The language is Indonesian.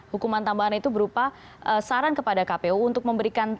hukuman tambahan itu berupa saran kepada kpu untuk memberikan